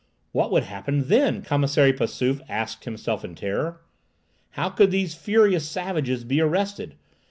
"What would happen then?" Commissary Passauf asked himself in terror. "How could these furious savages be arrested?